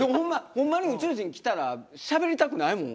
ホンマに宇宙人来たらしゃべりたくないもん。